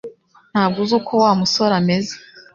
Ntabwo uzi uko Wa musore ameze